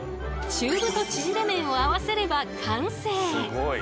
中太ちぢれ麺を合わせれば完成！